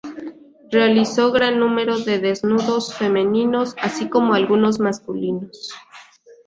Realizó gran número de desnudos femeninos, así como algunos masculinos.